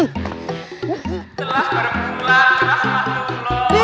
telah berbulan telah mati dulu